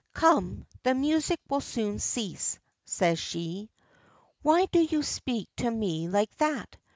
"Come; the music will soon cease," says she. "Why do you speak to me like that?"